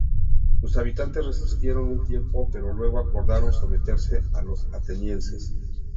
Sus habitantes resistieron un tiempo pero luego acordaron someterse a los atenienses.